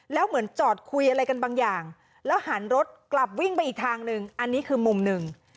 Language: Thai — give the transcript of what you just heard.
แล้วเหมือนจอดคุยอะไรกันบางอย่างแล้วหันรถกลับวิ่งไปอีกทางหนึ่งอันนี้คือมุมหนึ่ง